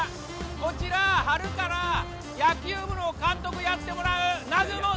こちら春から野球部の監督やってもらう南雲先生